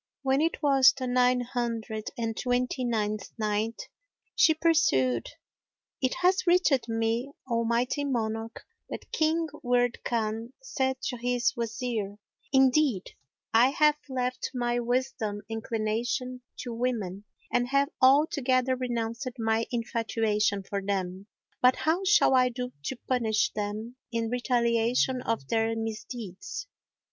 When it was the Nine Hundred and Twenty ninth Night, She pursued: It hath reached me, O mighty monarch, that King Wird Khan said to his Wazir, "Indeed, I have left my whilome inclination to women and have altogether renounced my infatuation for them; but how shall I do to punish them in retaliation of their misdeeds?